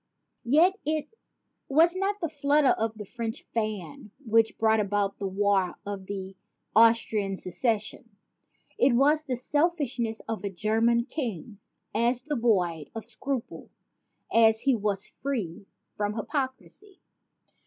Yet it was not the flutter of a French fan which brought about the War of the Austrian Succession; it was the selfishness of a German king, as devoid of scruple as he was free from hypocrisy.